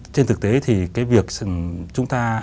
trên thực tế thì cái việc chúng ta